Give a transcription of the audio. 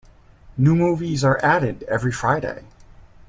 New movies are added every Friday.